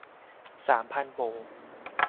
สามพันโบก